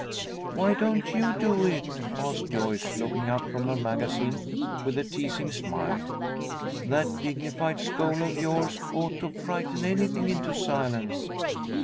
"Why don't you do it?" asked Joyce, looking up from her magazine with a teasing smile. "That dignified scowl of yours ought to frighten anything into silence."